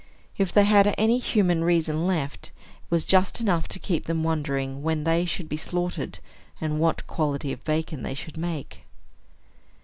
If they had any human reason left, it was just enough to keep them wondering when they should be slaughtered, and what quality of bacon they should make.